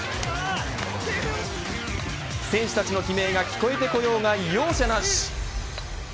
選手たちの悲鳴が聞こえてこようが容赦なし。